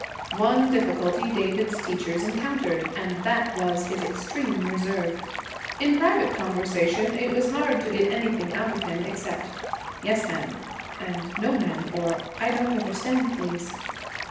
One difficulty David's teachers encountered, and that was his extreme reserve. In private conversation it was hard to get anything out of him except 'yes, ma'am' and 'no, ma'am,' or, 'I don't understand, please.'